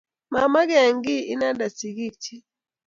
Ma meken kiy inende sigik chich